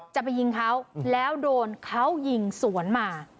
จะไปยิงเขาแล้วโดนเขายิงสวนมา